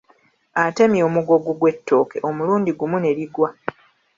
Atemye omugogo gw’ettooke omulundi gumu ne ligwa.